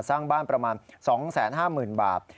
สร้างบ้านประมาณ๒๕๐๐๐บาท